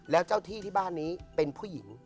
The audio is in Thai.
แล้วเจ้าที่ที่บ้านนี้เป็นผู้หญิง